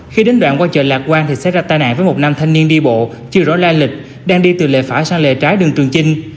khi đến đoạn qua chợ lạc quang thì xét ra tai nạn với một nam thanh niên đi bộ chưa rõ la lịch đang đi từ lề phải sang lề trái đường trường chinh